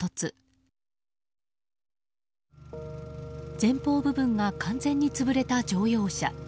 前方部分が完全に潰れた乗用車。